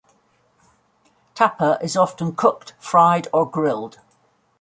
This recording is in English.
"Tapa" is often cooked fried or grilled.